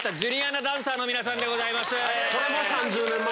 それも３０年前。